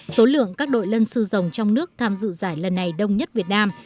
số lượng các đội lân sư dòng trong nước tham dự giải lần này đông nhất việt nam